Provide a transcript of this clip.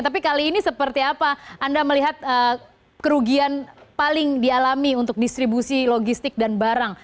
tapi kali ini seperti apa anda melihat kerugian paling dialami untuk distribusi logistik dan barang